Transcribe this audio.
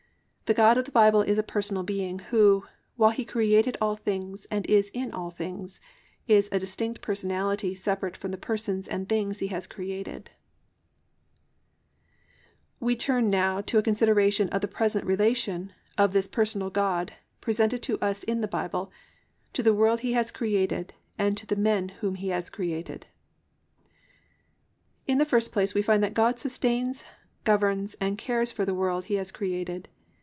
The God of the Bible is a Personal Being Who, while He created all things and is in all things, is a distinct personality separate from the persons and things He has created. III. GOD'S PRESENT RELATION TO THE WORLD AND TO MEN We turn now to a consideration of the present relation of this Personal God presented to us in the Bible, to the world He has created and to the men whom He has created. 1. In the first place we find that _God sustains, governs and cares for the world He has created.